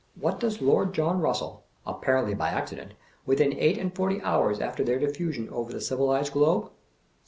What does Lord John Eussell (apparently by acci dent), within eight and forty hours after their diffusion over the civUized globe?